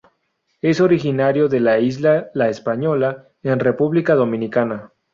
Es originario de la isla La Española en República Dominicana.